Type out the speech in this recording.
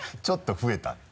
ちょっと増えた。